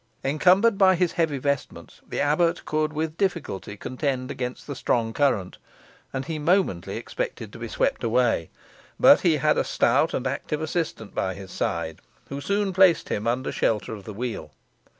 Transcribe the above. Encumbered by his heavy vestments, the abbot could with difficulty contend against the strong current, and he momently expected to be swept away; but he had a stout and active assistant by his side, who soon placed him under shelter of the wheel.